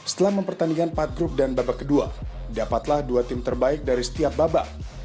setelah mempertandingkan empat grup dan babak kedua dapatlah dua tim terbaik dari setiap babak